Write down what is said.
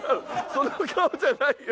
その顔じゃないよ。